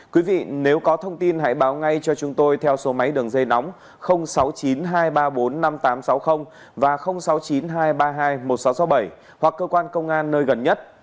quý vị nếu có thông tin hãy báo ngay cho chúng tôi theo số máy đường dây nóng sáu mươi chín hai trăm ba mươi bốn năm nghìn tám trăm sáu mươi và sáu mươi chín hai trăm ba mươi hai một nghìn sáu trăm sáu mươi bảy hoặc cơ quan công an nơi gần nhất